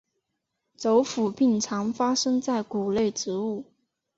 轴腐病常发生在谷类植物。